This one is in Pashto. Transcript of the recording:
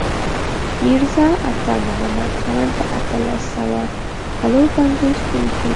میرزا عطا محمد خان په اتلس سوه څلور پنځوس کې لیکلی.